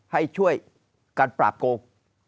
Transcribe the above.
ให้ช่วยการปราบโกง